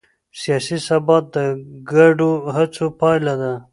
سیاسي ثبات د ګډو هڅو پایله ده